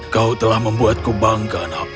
kau telah membuatku bangga